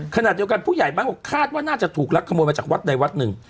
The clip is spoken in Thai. ขณะเดียวกันผู้ใหญ่บ้านบอกคาดว่าน่าจะถูกรักขโมยมาจากวัดใดวัดหนึ่ง